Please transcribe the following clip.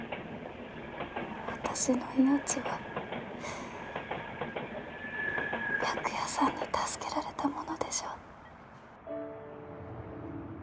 私の命は白夜さんに助けられたものでしょ？